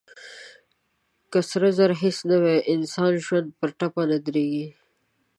که سره زر هېڅ نه وي، انساني ژوند پر ټپه نه درېږي.